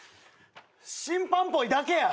審判っぽいだけや。